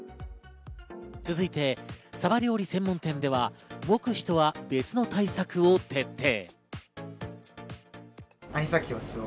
続いて、サバ料理専門店では、目視とは別の対策を徹底。